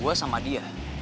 gue sama dia